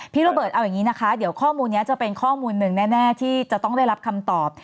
พี่โรเบิร์ตเอาอย่างนี้นะคะเดี๋ยวข้อมูลนี้จะเป็นข้อมูลหนึ่งแน่ที่จะต้องได้รับคำตอบ